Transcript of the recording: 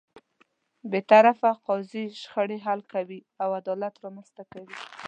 بېطرفه قاضی شخړې حل کوي او عدالت رامنځته کوي.